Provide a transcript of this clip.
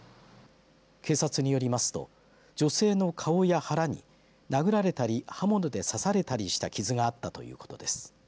警察によりますと女性の顔や腹に殴られたり刃物で刺されたりした傷があったということです。